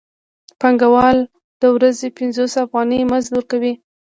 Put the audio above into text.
پانګوال د ورځې پنځوس افغانۍ مزد ورکوي